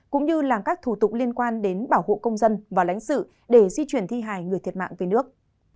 cũng như làm các thủ tục liên quan đến bảo hộ công dân và lãnh sự để di chuyển thi hài người thiệt mạng về nước